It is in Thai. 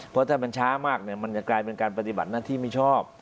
เพราะถ้ามันช้ามากมันจะกลายเป็นการปฏิบัติหน้าที่ไม่ชอบ